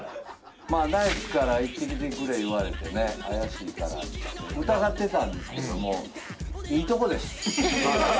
まあナイツから行ってきてくれ言われてね怪しいからって疑ってたんですけどもいいとこです。